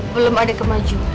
belum ada kemajuan